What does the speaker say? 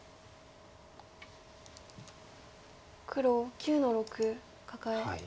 黒９の六カカエ。